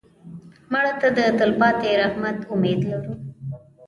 مړه ته د تلپاتې رحمت امید لرو